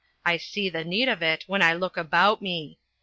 I see the need of it when I look about me.